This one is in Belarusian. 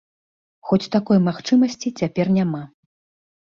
Хоць такой магчымасці цяпер няма.